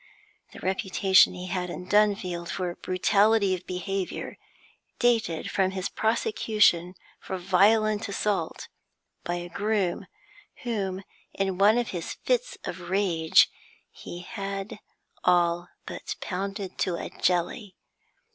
The reputation he had in Dunfield for brutality of behaviour dated from his prosecution for violent assault by a groom, whom, in one of his fits of rage, he had all but pounded to a jelly.